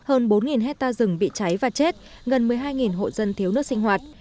hơn bốn hectare rừng bị cháy và chết gần một mươi hai hộ dân thiếu nước sinh hoạt